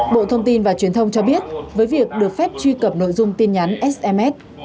bộ thông tin và truyền thông cho biết với việc được phép truy cập nội dung tin nhắn sms